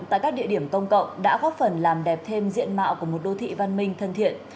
tại các địa điểm công cộng đã góp phần làm đẹp thêm diện mạo của một đô thị văn minh thân thiện